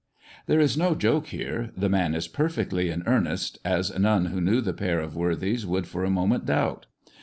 There is no joke here ; the man is perfectly in earnest, as none who knew the pair of worthies would for a moment doubt.